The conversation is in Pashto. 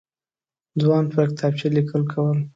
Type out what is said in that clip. ځوان پر کتابچه لیکل کول.